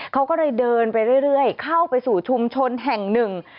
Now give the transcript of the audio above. เขาก็เลยเดินไปเรื่อยเข้าไปสู่ชุมชนแห่งหนึ่ง